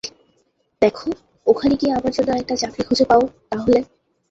দেখ, ওখানে গিয়ে আমার জন্যে একটা চাকরি খুঁজে পাও, তাহলে।